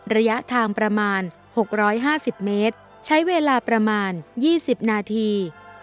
ระยะทางประมาณ๖๕๐เมตรใช้เวลาประมาณ๒๐นาที